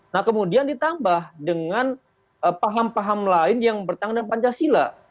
nah kemudian ditambah dengan paham paham lain yang bertentangan dengan pancasila